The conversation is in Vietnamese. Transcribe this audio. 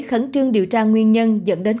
khẩn trương điều tra nguyên nhân dẫn đến